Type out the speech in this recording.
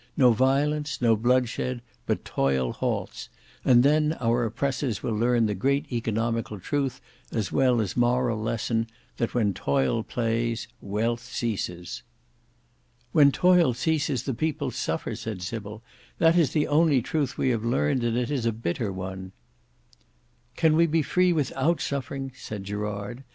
No violence, no bloodshed, but toil halts, and then our oppressors will learn the great economical truth as well as moral lesson, that when Toil plays Wealth ceases." "When Toil ceases the People suffer," said Sybil. "That is the only truth that we have learnt, and it is a bitter one." "Can we be free without suffering," said Gerard.